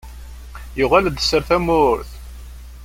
Yuɣal-d sser tamurt!